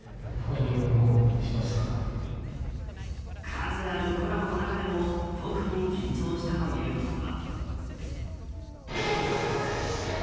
数あるコラボの中でも特に緊張したというのが。